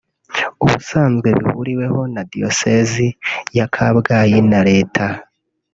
ubusanzwe bihuriweho na Diyosezi ya Kabgayi na Leta